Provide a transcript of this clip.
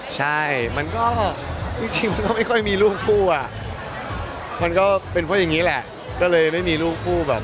จริงก็ไม่ค่อยมีลูกผู้ก็เลยไม่มีลูกผู้